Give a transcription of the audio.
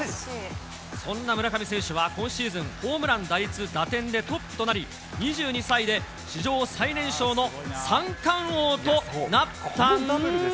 そんな村上選手は、今シーズン、ホームラン、打率、打点でトップとなり、２２歳で史上最年少の三冠王となったん。